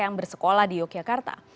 yang bersekolah di yogyakarta